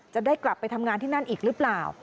จะได้กลับไปทำงานที่นั่นอีกหรือเปล่า